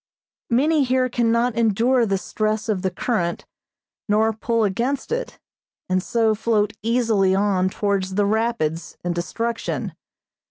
Many here cannot endure the stress of the current, nor pull against it, and so float easily on towards the rapids and destruction.